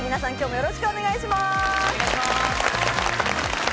よろしくお願いします。